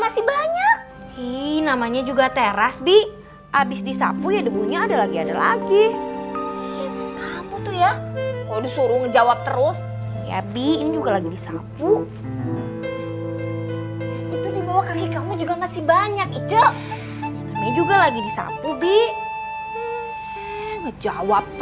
sampai jumpa di video selanjutnya